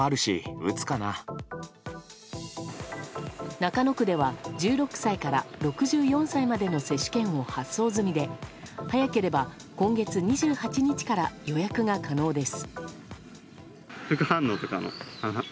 中野区では１６歳から６４歳までの接種券を発送済みで早ければ今月２８日から予約が可能です。